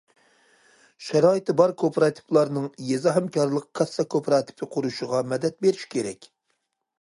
شارائىتى بار كوپىراتىپلارنىڭ يېزا ھەمكارلىق كاسسا كوپىراتىپى قۇرۇشىغا مەدەت بېرىش كېرەك.